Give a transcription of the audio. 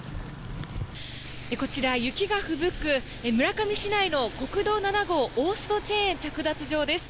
こちら雪がふぶく村上市内の国道７号のチェーン着脱場です。